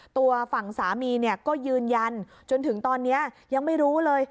ตัวฝั่งสามีเนี่ยก็ยืนยันจนถึงตอนนี้ยังไม่รู้เลย